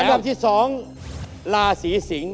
อันดับที่๒ราศีสิง